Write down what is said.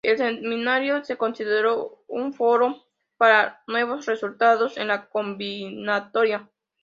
El seminario se consideró un ""foro para nuevos resultados en la combinatoria.